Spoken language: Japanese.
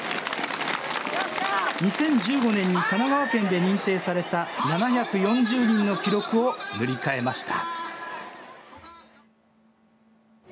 ２０１５年に神奈川県で認定された７４０人の記録を塗り替えました。